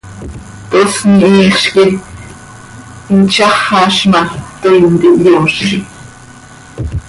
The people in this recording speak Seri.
Tosni hiixz quih hin tzaxaz ma, toii ntihyoozi.